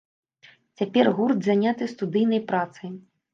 Цяпер гурт заняты студыйнай працай.